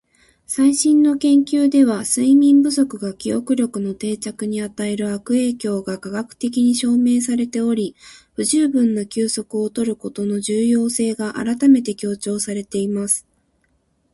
「最新の研究では、睡眠不足が記憶力の定着に与える悪影響が科学的に証明されており、十分な休息を取ることの重要性が改めて強調されています。」